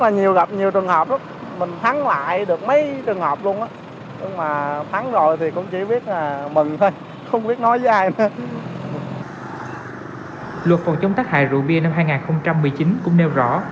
luật phòng chống tác hại rượu bia năm hai nghìn một mươi chín cũng nêu rõ